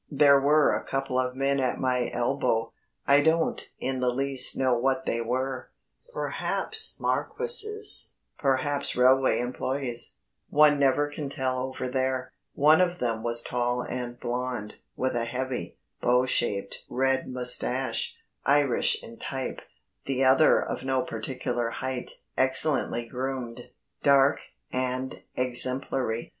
There were a couple of men at my elbow. I don't in the least know what they were perhaps marquises, perhaps railway employees one never can tell over there. One of them was tall and blond, with a heavy, bow shaped red moustache Irish in type; the other of no particular height, excellently groomed, dark, and exemplary.